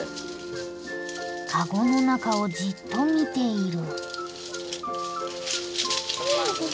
籠の中をじっと見ている。